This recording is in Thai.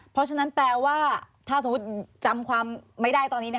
เพราะฉะนั้นแปลว่าถ้าสมมุติจำความไม่ได้ตอนนี้